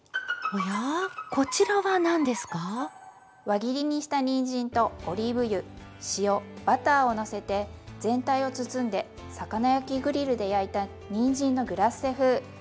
輪切りにしたにんじんとオリーブ油塩バターをのせて全体を包んで魚焼きグリルで焼いたにんじんのグラッセ風。